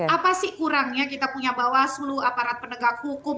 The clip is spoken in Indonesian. apa sih kurangnya kita punya bawaslu aparat penegak hukum